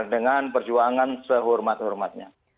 dengan perjuangan sehormat hormatnya